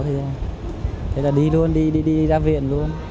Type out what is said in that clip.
thế là đi luôn đi ra viện luôn